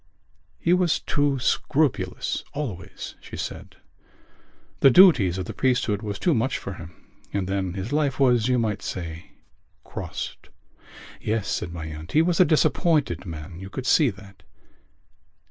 "He was too scrupulous always," she said. "The duties of the priesthood was too much for him. And then his life was, you might say, crossed." "Yes," said my aunt. "He was a disappointed man. You could see that."